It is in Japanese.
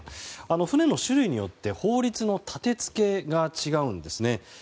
船の種類によって法律の建てつけが違うんです。